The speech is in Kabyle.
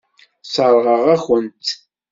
Sseṛɣeɣ-akent-t.